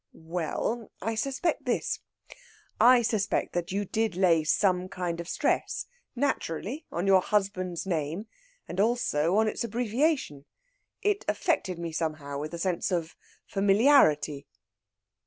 "Well, I suspect this. I suspect that you did lay some kind of stress, naturally, on your husband's name, and also on its abbreviation. It affected me somehow with a sense of familiarity."